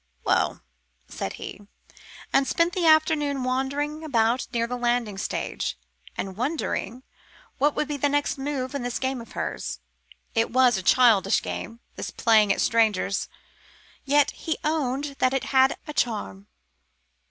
"Well!" said he, and spent the afternoon wandering about near the landing stage, and wondering what would be the next move in this game of hers. It was a childish game, this playing at strangers, yet he owned that it had a charm.